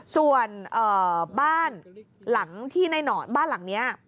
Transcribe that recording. ส่วนบ้านหลังที่ในหนอนบ้านหลังนี้